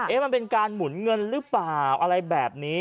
มันเป็นการหมุนเงินหรือเปล่าอะไรแบบนี้